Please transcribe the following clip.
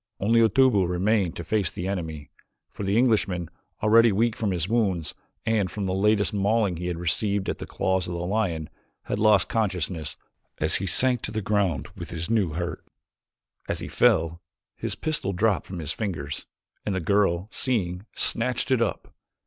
Only Otobu remained to face the enemy, for the Englishman, already weak from his wounds and from the latest mauling he had received at the claws of the lion, had lost consciousness as he sank to the ground with this new hurt. As he fell his pistol dropped from his fingers, and the girl, seeing, snatched it up.